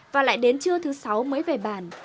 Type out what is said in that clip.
và lại đến trưa thứ sáu mới về bàn